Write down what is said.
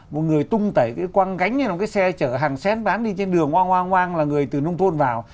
một người tung tẩy cái quăng gánh như là một cái xe chở hàng xét bán đi trên đường hoang hoang hoang là người từ nông thôn vào